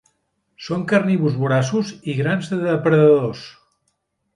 Són carnívors voraços i grans depredadors.